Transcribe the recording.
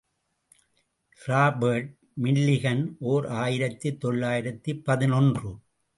Robert Millikan, ஓர் ஆயிரத்து தொள்ளாயிரத்து பதினொன்று .